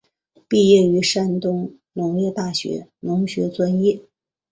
毕业于山东农业大学农学专业。